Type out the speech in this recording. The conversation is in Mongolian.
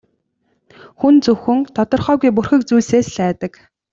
Хүн зөвхөн тодорхойгүй бүрхэг зүйлсээс л айдаг.